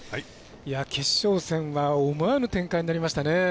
決勝戦は思わぬ展開になりましたね。